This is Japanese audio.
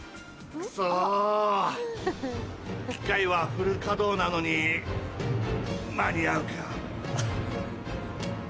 クソ機械はフル稼働なのに間に合うか。